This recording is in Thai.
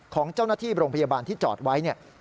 ของเจ้าหน้าที่โรงพยาบาลที่จอดไว้เนี่ย